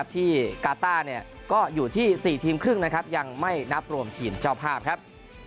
ที่กาต้าก็อยู่ที่๔ทีมครึ่งนะครับยังไม่นับรวมทีมเจ้าภาพครับ